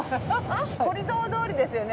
コリドー通りですよね？